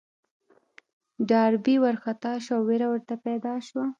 ډاربي وارخطا شو او وېره ورته پيدا شوه.